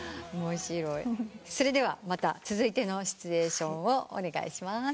それではまた続いてのシチュエーションをお願いします。